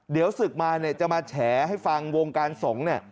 เดี๋ยวศึกมาเนี่ยจะมาแฉให้ฟังวงการสงฆ์